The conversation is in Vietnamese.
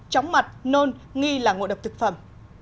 chóng mặt nôn nghi là ngộ độc thực phẩm